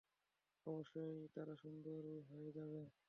অবশ্যই, তারা সুন্দরী হয়ে যাবে।